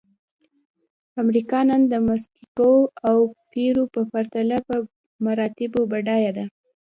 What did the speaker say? امریکا نن د مکسیکو او پیرو په پرتله په مراتبو بډایه ده.